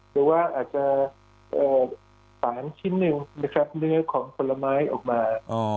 หรือว่าอาจจะฝานชิ้นหนึ่งนะครับเนื้อของผลไม้ออกมา